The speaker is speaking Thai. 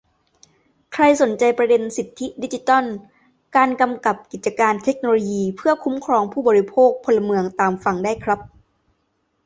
ใครสนใจประเด็นสิทธิดิจิทัล การกำกับกิจการเทคโนโลยีเพื่อคุ้มครองผู้บริโภค-พลเมือง ตามฟังได้ครับ